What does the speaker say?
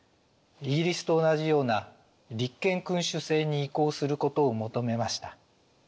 イギリスと同じような立憲君主政に移行することを求めました。